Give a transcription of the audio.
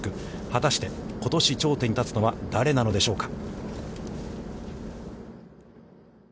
果たして、ことし頂点に立つのは誰なのでしょうか。